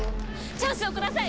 チャンスを下さい。